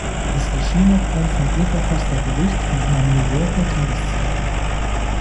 Es erschien noch ein von ihr verfasster Bericht in einer New Yorker Tageszeitung.